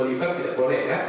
oliver tidak boleh kan